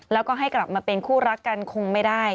แล้วก็ให้กลับมาเป็นคู่รักกันคงไม่ได้